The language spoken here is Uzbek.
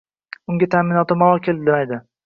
Unga taʼminoti malol kelmaydi.